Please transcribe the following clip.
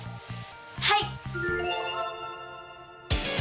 はい！